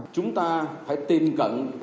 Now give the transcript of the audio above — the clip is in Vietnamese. chúng ta phải tìm gần